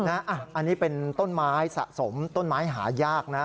อันนี้เป็นต้นไม้สะสมต้นไม้หายากนะ